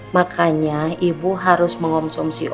makanya ibu harus mengonsumsi obat